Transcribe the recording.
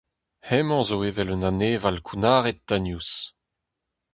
Hemañ zo evel un aneval kounnaret tagnous.